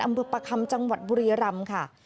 อำเภอประคำจังหวัดบุรีรำค่ะ